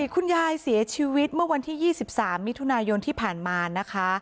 คุณยายเสียชีวิตเมื่อวันที่๒๓มิถุนายนที่ผ่านมานะคะ